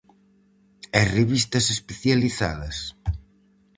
E revistas especializadas?